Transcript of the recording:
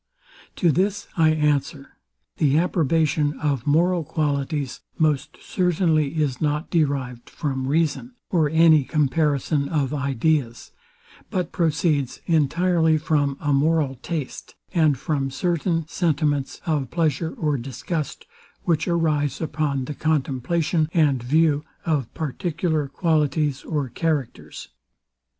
To this I answer: The approbation of moral qualities most certainly is not derived from reason, or any comparison of ideas; but proceeds entirely from a moral taste, and from certain sentiments of pleasure or disgust, which arise upon the contemplation and view of particular qualities or characters.